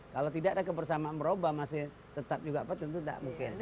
kalau tidak ada kebersamaan merubah masih tetap juga apa tentu tidak mungkin